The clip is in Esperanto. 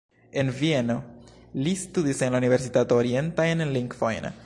En Vieno li studis en la universitato orientajn lingvojn.